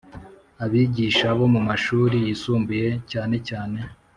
abigisha bo mu mashuri yisumbuye cyanecyane